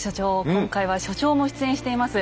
今回は所長も出演しています